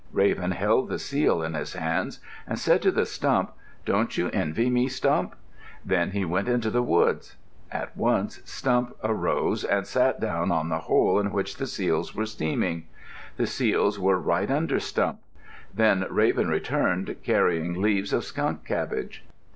Raven held the seal in his hands and said to the stump, "Don't you envy me, Stump?" Then he went into the woods. At once Stump arose and sat down on the hole in which the seals were steaming. The seals were right under Stump. Then Raven returned, carrying leaves of skunk cabbage.